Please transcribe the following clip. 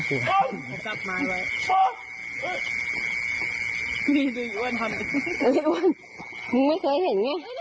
โอ้โฮ